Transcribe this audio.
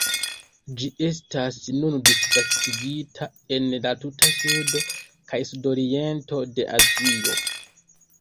Ĝi estas nun disvastigita en la tuta sudo kaj sudoriento de Azio.